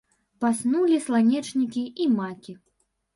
Паснулі сланечнікі і макі.